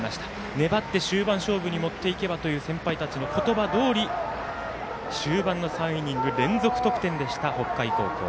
粘って終盤勝負に持っていけばという先輩たちの言葉どおり終盤の３イニング連続得点でした北海高校。